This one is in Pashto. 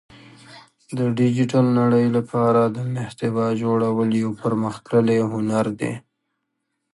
د ډیجیټل نړۍ لپاره د محتوا جوړول یو پرمختللی هنر دی